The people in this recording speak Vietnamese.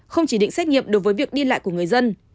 không chỉ định xét nghiệm đối với việc đi lại của người dân